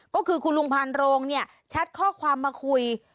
ก็คือคุณลุงพานโรงเนี่ยแชทข้อความมาคุย